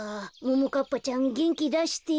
ももかっぱちゃんげんきだして。